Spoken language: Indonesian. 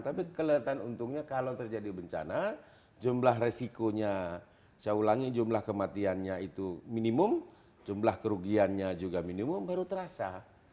tapi kelihatan untungnya kalau terjadi bencana jumlah resikonya saya ulangi jumlah kematiannya itu minimum jumlah kerugiannya juga minimum baru terasa